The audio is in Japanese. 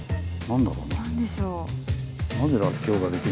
何でしょう？